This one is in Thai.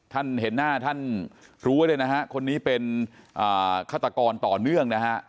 ท่านเห็นหน้าท่านรู้ไว้เลยนะฮะคนนี้เป็นฆาตกรต่อเนื่องนะฮะ